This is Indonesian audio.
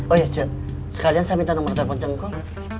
oh iya cik sekalian saya minta nomor telepon jengkol